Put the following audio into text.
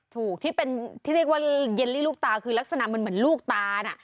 ถูกที่เป็นที่เรียกว่าเยลลี่ลูกตาคือลักษณะมันเหมือนลูกตาน่ะ